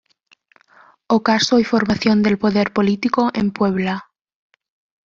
Ocaso y formación del poder político en Puebla.